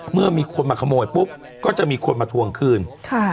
เมื่อมีคนมาขโมยปุ๊บก็จะมีคนมาทวงคืนค่ะ